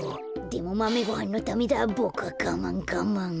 でもマメごはんのためだボクはがまんがまん。